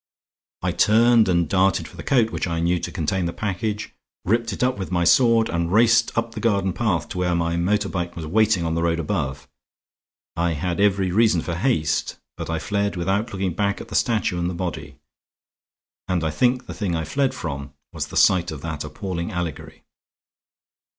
I turned and darted for the coat which I knew to contain the package, ripped it up with my sword, and raced away up the garden path to where my motor bike was waiting on the road above. I had every reason for haste; but I fled without looking back at the statue and the body; and I think the thing I fled from was the sight of that appalling allegory.